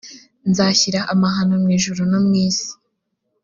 nzashyira amahano mu ijuru no mu isi